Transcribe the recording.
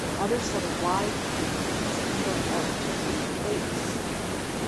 Others had a wide peak which was angled out to frame the face.